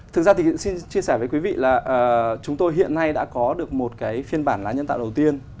thực ra thì xin chia sẻ với quý vị là chúng tôi hiện nay đã có được một cái phiên bản nhân tạo đầu tiên